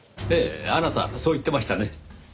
ええあなたそう言ってましたね。